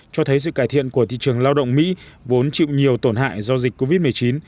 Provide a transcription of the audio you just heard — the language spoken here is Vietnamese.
cho thấy sự cải thiện của thị trường lao động mỹ vốn chịu nhiều tổn hại do dịch covid một mươi chín